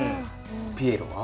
ピエロは？